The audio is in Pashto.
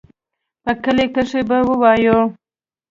په کلي کښې به ووايو.